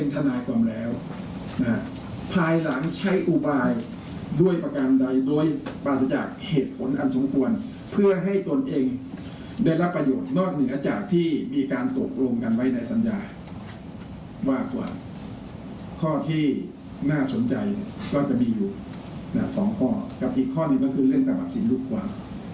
ถ้าสนใจก็จะมีอยู่๒ข้อกับอีกข้อนี้ก็คือเรื่องตะบักศิลป์ลูกความ